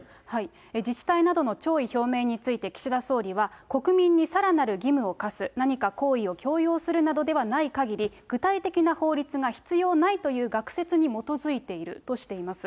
自治体などの弔意表明について岸田総理は国民にさらなる義務を課す、何か行為を強要するなどではないかぎり、具体的な法律が必要ないという学説に基づいているとしています。